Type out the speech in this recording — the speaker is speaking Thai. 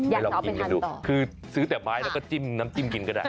ไปลองกินกันดูคือซื้อแต่ไม้แล้วก็จิ้มน้ำจิ้มกินก็ได้